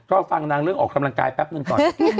ก็ฟังนางเรื่องออกกำลังกายแป๊บนึงก่อน